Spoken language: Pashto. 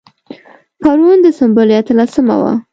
پرون د سنبلې اتلسمه وه.